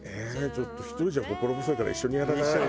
ちょっと１人じゃ心細いから一緒にやらない？